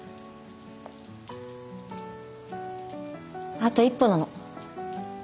あと一歩なの。